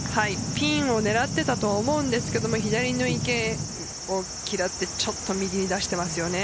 ピンを狙ってたと思うんですけど左の池嫌ってちょっと右に出してますよね。